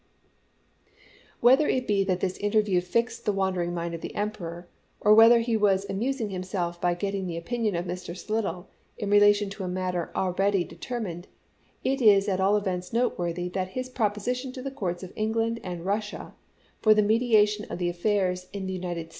Whether it be that this interview fixed the wandering mind of the Emperor, or whether he was amusing himself by getting the opinion of Mr. Slidell in relation to a matter already de termined, it is at all events noteworthy that his proposition to the courts of England and Russia for mediation in the affaii's of the United Vol.